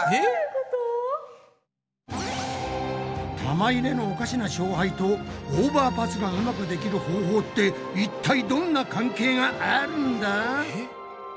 玉入れのおかしな勝敗とオーバーパスがうまくできる方法っていったいどんな関係があるんだ？